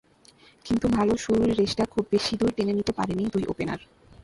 কিন্তু ভালো শুরুর রেশটা খুব বেশি দূর টেনে নিতে পারেননি দুই ওপেনার।